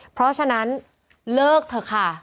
เพราะฉะนั้นเลิกเถอะค่ะ